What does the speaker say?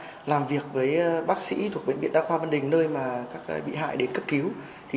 cơ quan điều tra đã làm việc với bác sĩ thuộc bệnh viện đa khoa văn đình nơi mà các bị hại đến cấp cứu